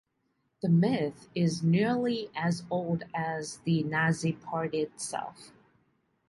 The myth is nearly as old as the Nazi party itself.